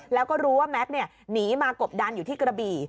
แล้วก็รู้ว่าแม็กซ์หนีมากบดันอยู่ที่กระบี่